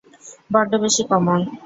বড্ড বেশি কমন।